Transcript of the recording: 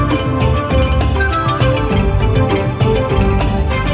โชว์สี่ภาคจากอัลคาซ่าครับ